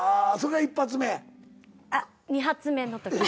あっ２発目のとき。